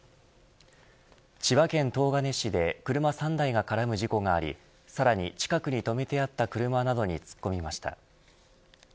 千葉県東金市で車３台が絡む事故がありさらに近くに止めてあった車などに突っ込みました。